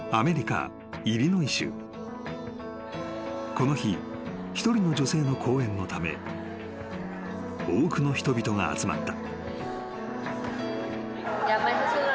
［この日一人の女性の講演のため多くの人々が集まった］